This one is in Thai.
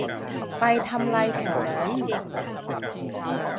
ไปทำไรแถวนั้น